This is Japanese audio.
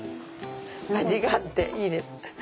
味があっていいです。